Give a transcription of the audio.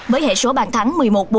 với hệ số bàn thắng một mươi một bốn